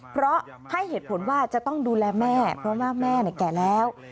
เพราะให้เหตุผลว่าจะต้องดูแลแม่เพราะว่าแม่แก่แล้ว